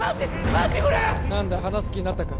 待ってくれ何だ話す気になったか？